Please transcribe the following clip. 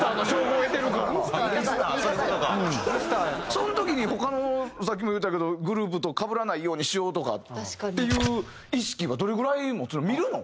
その時に他のさっきも言うたけどグループとかぶらないようにしようとかっていう意識はどれぐらい持つ見るの？